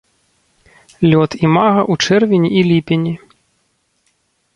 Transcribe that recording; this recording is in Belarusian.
Лёт імага ў чэрвені і ліпені.